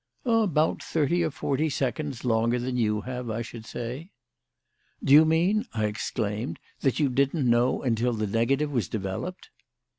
"About thirty or forty seconds longer than you have, I should say." "Do you mean," I exclaimed, "that you didn't know until the negative was developed?"